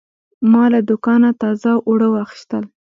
ما له دوکانه تازه اوړه واخیستل.